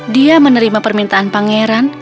dia menerima permintaan pangeran